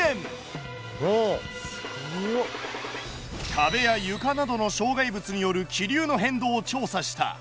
壁や床などの障害物による気流の変動を調査した。